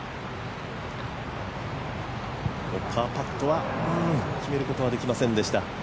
パーパットは決めることはできませんでした。